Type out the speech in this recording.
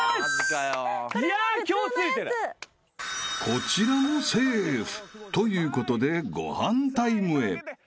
［こちらもセーフということでご飯タイムへ］